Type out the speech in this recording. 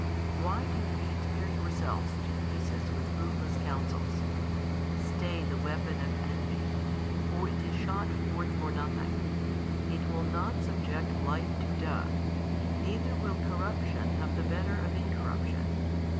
Why do ye tear yourselves to pieces with fruitless counsels? stay the weapon of envy, for it is shot forth for nothing: it will not subject Life to death, neither will corruption have the better of incorruption.